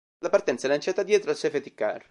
La partenza lanciata dietro safety car.